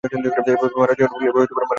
এভাবে মারা যেওনা, প্লিজ?